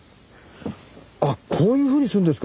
あっこういうふうにするんですか？